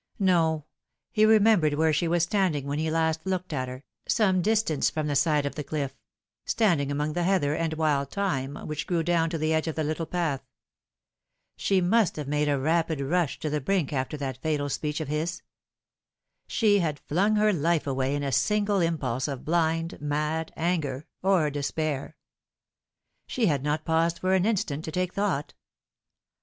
No ; he remembered where she was standing when he last looked at her, some distance from the side of the cliff, standing among the heather and wild thyme which grew down to the edge of the little path. She must have made a rapid rush to the brink after that fatal speech of his. She had flung her life away in a single impulse of blind, mad anger or despair. She had not paused for an instant to taku thought.